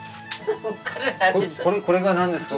これがなんですか？